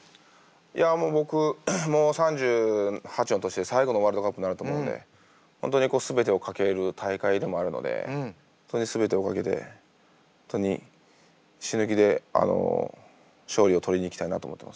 いやもう僕もう３８の年で最後のワールドカップになると思うんで本当に全てを懸ける大会でもあるので全てを懸けて本当に死ぬ気で勝利を取りにいきたいなと思ってます。